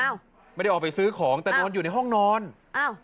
ไม่ได้ออกไปซื้อของแต่นอนอยู่ในห้องนอนอ้าว